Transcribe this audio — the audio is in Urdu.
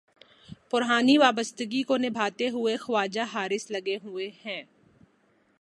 پرانی وابستگی کو نبھاتے ہوئے خواجہ حارث لگے ہوئے ہیں۔